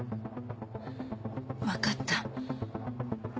わかった。